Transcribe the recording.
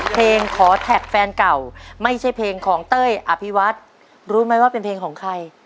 ขอแท็กแฟนเก่าไม่ใช่เพลงของเต้ยอภิวัฒน์รู้ไหมว่าเป็นเพลงของใคร